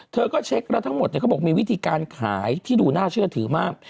ก็เช็คแล้วทั้งหมดเขาบอกมีวิธีการขายที่ดูน่าเชื่อถือมาก